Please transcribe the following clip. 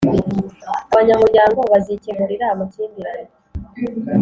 Abanyamuryango bazikemurira amakimbirane